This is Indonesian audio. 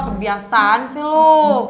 kebiasaan sih lu